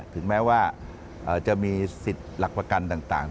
ถึงแม้ว่าจะมีสิทธิ์หลักประกันต่าง